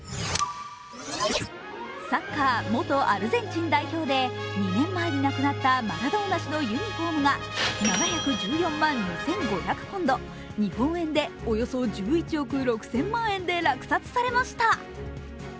サッカー元アルゼンチン代表で２年前に亡くなったマラドーナ氏のユニフォームが７１４万２５００ポンド、日本円でおよそ１１億６０００万円で落札されました。